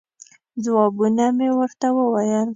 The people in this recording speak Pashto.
ځوابونه مې ورته وویل.